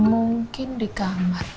mungkin di kamar